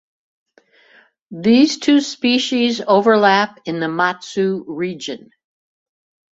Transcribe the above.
These two species overlap in the Matsu region.